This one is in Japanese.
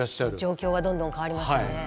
状況はどんどん変わりますね。